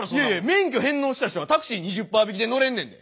免許返納した人はタクシー２０パー引きで乗れんねんで。